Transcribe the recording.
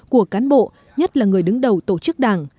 của cán bộ nhất là người đứng đầu tổ chức đảng